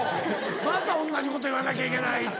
また同じこと言わなきゃいけないって。